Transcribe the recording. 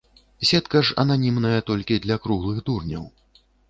Сетка ж ананімная толькі для круглых дурняў.